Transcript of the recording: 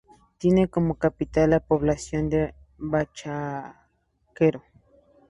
Tiene como capital la población de Bachaquero.